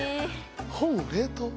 本を冷凍？